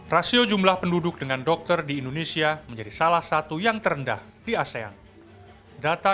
rasio jumlah penduduk dengan dokter di indonesia menjadi salah satu yang terendah di asean data